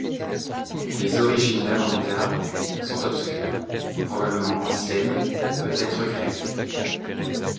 Les origines d'Amantea' sont obscures, probablement anciennes, peut-être grecques.